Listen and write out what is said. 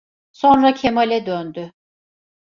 Sonra Kemal'e döndü.